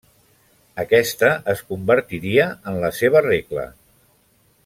Aquesta es convertiria en la seva regla.